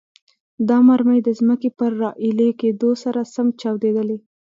دا مرمۍ د ځمکې پر راایلې کېدو سره سم چاودیدلې.